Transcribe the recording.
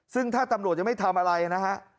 ซึ่งถ้าตำรวจยังไม่ทำอะไรนะฮะ